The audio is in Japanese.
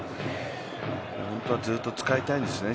本当はずっと使いたいんですね